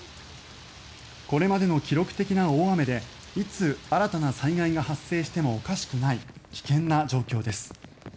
これまでの記録的な大雨でいつ新たな災害が発生してもおかしくない危険な状況です。